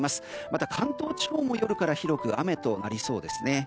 また、関東地方も夜から広く雨となりそうです。